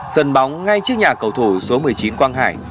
sân bóng ngay trước nhà cầu thủ số một mươi chín quang hải